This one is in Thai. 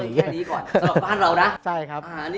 เอาเรื่องแค่นี้ก่อนสำหรับบ้านเรานะ